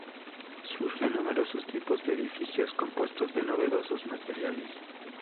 Surgen numerosos tipos de edificios compuestos de novedosos materiales.